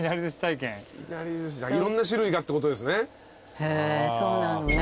いろんな種類がってことですね？